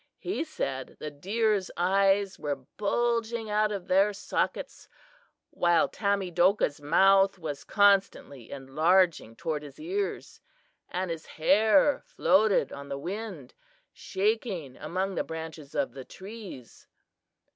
"He said the deer's eyes were bulging out of their sockets, while Tamedokah's mouth was constantly enlarging toward his ears, and his hair floated on the wind, shaking among the branches of the trees.